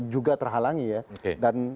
juga terhalangi ya dan